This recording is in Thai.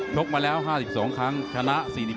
กมาแล้ว๕๒ครั้งชนะ๔๘